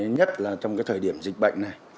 nhất là trong thời điểm dịch bệnh này